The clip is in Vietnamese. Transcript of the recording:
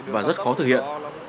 và rất khó thực hiện